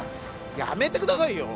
やめてくださいよ！